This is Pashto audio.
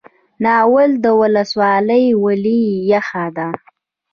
ناور ولسوالۍ ولې یخه ده؟